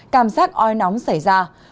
cảm giác oi nóng xảy ra